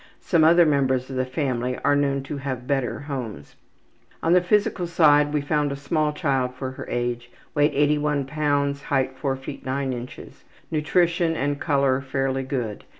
Some other members of the family are known to have better homes. On the physical side we found a small child for her age; weight 81 lbs., height 4 ft. 9 in. Nutrition and color fairly good.